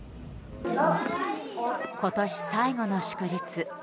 今年最後の祝日。